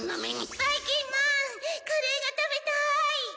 ばいきんまんカレーがたべたい！